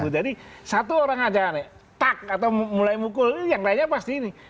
jadi satu orang aja kan tak atau mulai mukul yang lainnya pasti ini